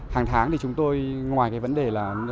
hàng tháng chúng tôi ngoài vấn đề